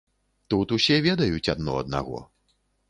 Тут усе ведаюць адно аднаго.